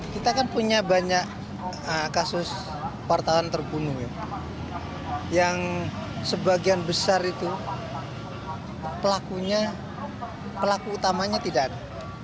kita kan punya banyak kasus wartawan terbunuh yang sebagian besar itu pelakunya pelaku utamanya tidak ada